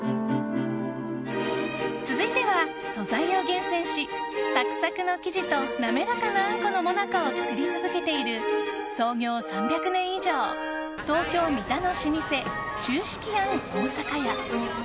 続いては、素材を厳選しサクサクの生地と滑らかなあんこのもなかを作り続けている創業３００年以上東京・三田の老舗、秋色庵大坂家。